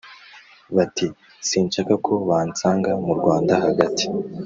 bati: “sinshaka ko bansanga mu rwanda hagati